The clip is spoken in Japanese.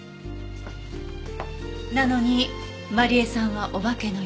なのにまり枝さんはお化けの夜。